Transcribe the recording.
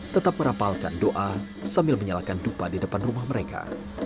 tetap merapalkan doa sambil menyalakan dupa di depan rumah mereka